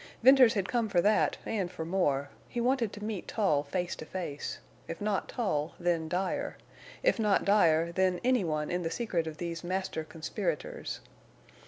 Venters had come for that and for more—he wanted to meet Tull face to face; if not Tull, then Dyer; if not Dyer, then anyone in the secret of these master conspirators.